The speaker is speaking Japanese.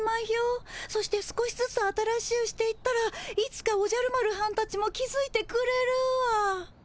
そして少しずつ新しゅうしていったらいつかおじゃる丸はんたちも気づいてくれるわ。